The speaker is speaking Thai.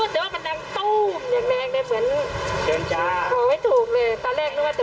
ตอนแรกมันไม่มีใครผิวว่ามันใช่